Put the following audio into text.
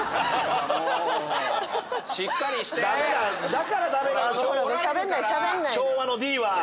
だからダメなの。